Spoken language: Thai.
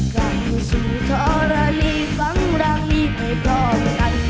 กลับมาสู่ทรานีสร้างรางนี้ไปพร้อมกัน